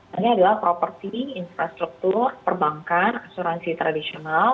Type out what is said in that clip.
ini adalah properti infrastruktur perbankan asuransi tradisional